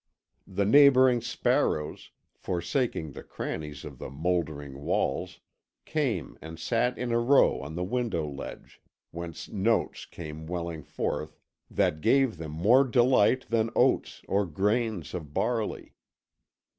The neighbouring sparrows, forsaking the crannies of the mouldering walls, came and sat in a row on the window ledge whence notes came welling forth that gave them more delight than oats or grains of barley.